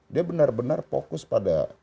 dia benar benar fokus pada